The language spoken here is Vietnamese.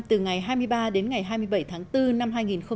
từ ngày hai mươi ba đến ngày hai mươi bảy tháng bốn năm hai nghìn một mươi tám